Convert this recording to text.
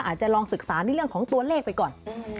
อาจจะลองศึกษาในเรื่องของตัวเลขไปก่อน